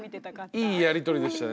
いいやりとりでしたね。